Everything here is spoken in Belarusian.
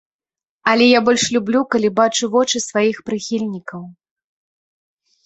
Але я больш люблю, калі бачу вочы сваіх прыхільнікаў.